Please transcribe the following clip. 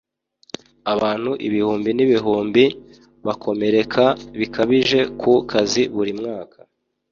Abantu ibihumbi n'ibihumbi bakomereka bikabije ku kazi buri mwaka